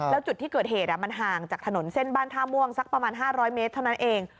แล้วจุดที่เกิดเหตุมันห่างจากถนนเส้นบ้านท่าม่วงสักประมาณ๕๐๐เมตรเท่านั้นเอง